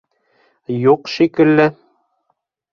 Юҡ, шикелле...